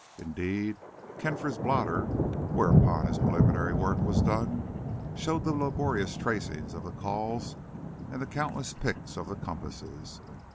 Indeed, Kampfer's blotter, whereon his preliminary work was done, showed the laborious tracings of the calls and the countless pricks of the compasses.